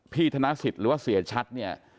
พี่ธนสิตหรือว่าเสียชัดเนี่ย